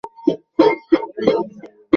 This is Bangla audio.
ট্রিটমেন্ট না ঘোড়ার ডিম!